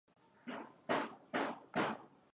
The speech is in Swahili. kujihusishakutarajia unywajiulevi na kuachaathari mbaya